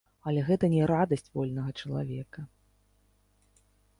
Але гэта не радасць вольнага чалавека.